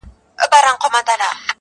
په تصوير کې د فورنر موټر شاته ولاړ